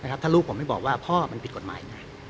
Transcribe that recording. ถ้าลูกผมไม่บอกว่าพ่อมันผิดกฎหมายไง